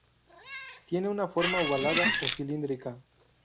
Tiene una forma ovalada o cilíndrica.